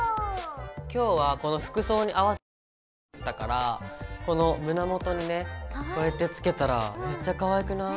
今日はこの服装に合わせて作ったからこの胸元にねこうやってつけたらめっちゃかわいくない？